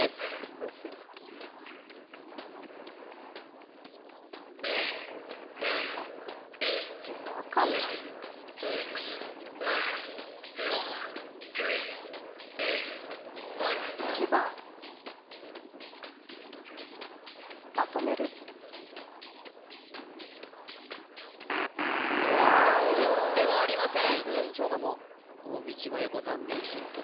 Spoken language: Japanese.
どうしようえー分かんないんですよねまとめるではありません大道麻優子残念失格